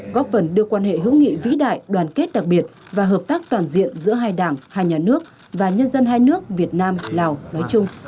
góp phần đưa quan hệ hữu nghị vĩ đại đoàn kết đặc biệt và hợp tác toàn diện giữa hai đảng hai nhà nước và nhân dân hai nước việt nam lào nói chung